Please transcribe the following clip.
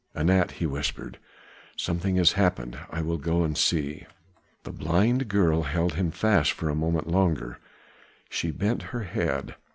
"Anat," he whispered, "something has happened; I will go and see." The blind girl held him fast for a moment longer. She bent her head.